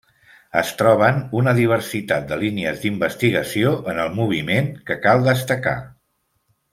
Es troben una diversitat de línies d'investigació en el moviment que cal destacar.